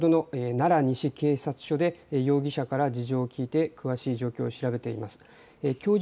現在は先ほどの奈良西警察署で容疑者から事情を聞いて詳しい状況を調べています。